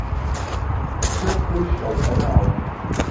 Plötzlich steigt einer aus.